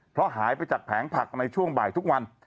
เพราะหายไปจากแผงผักในช่วงบ่ายทุกวัน